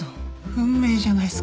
運命じゃないっすか。